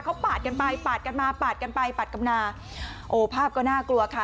เขาปาดกันไปปาดกันมาปาดกันไปปาดกันมาโอ้ภาพก็น่ากลัวค่ะ